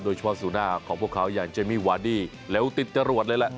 โดยเฉพาะสู่หน้าของพวกเขาอย่างเจมมี่วาดี้แล้วติดจรวดเลยล่ะ